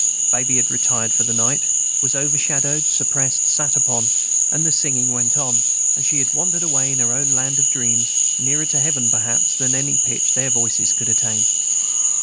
Baby had retired for the night, was overshadowed, suppressed, sat upon; the singing went on, and she had wandered away into her own land of dreams, nearer to heaven, perhaps, than any pitch their voices could attain.